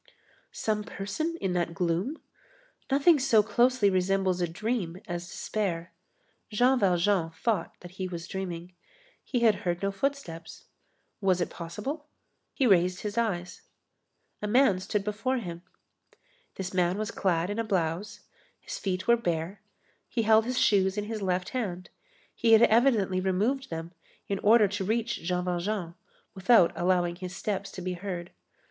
Some person in that gloom? Nothing so closely resembles a dream as despair. Jean Valjean thought that he was dreaming. He had heard no footsteps. Was it possible? He raised his eyes. A man stood before him. This man was clad in a blouse; his feet were bare; he held his shoes in his left hand; he had evidently removed them in order to reach Jean Valjean, without allowing his steps to be heard.